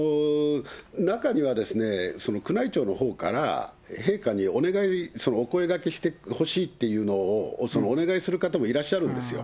中には、宮内庁のほうから陛下にお願い、お声かけしてほしいというのをお願いする方もいらっしゃるんですよ。